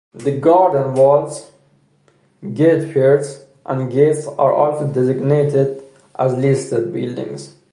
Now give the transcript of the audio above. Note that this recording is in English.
The garden walls, gate piers and gates are also designated as listed buildings.